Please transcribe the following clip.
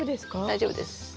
大丈夫です。